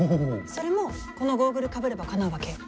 それも、このゴーグルをかぶればかなうわけ？